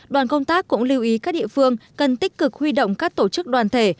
đoàn công tác cũng lưu ý các địa phương cần tích cực huy động các tổ chức đoàn thể